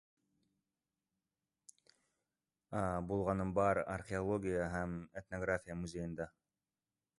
Булғаным бар археология һәм этнография музейында